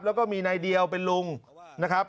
แล้วก็มีนายเดียวเป็นลุงนะครับ